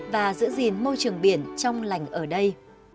và giữ gìn môi trường biển trong lành ở đây